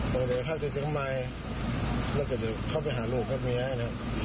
น่ะแล้วจะไปไหน